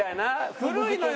古いのよ！